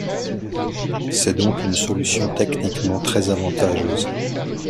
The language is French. C'est donc une solution techniquement très avantageuse.